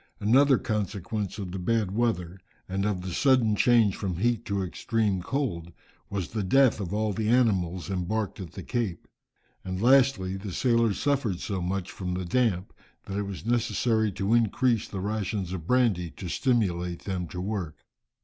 Another consequence of the bad weather, and of the sudden change from heat to extreme cold was the death of all the animals embarked at the Cape. And lastly, the sailors suffered so much from the damp, that it was necessary to increase the rations of brandy to stimulate them to work.